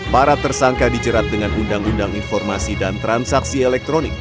para tersangka dijerat dengan undang undang informasi dan transaksi elektronik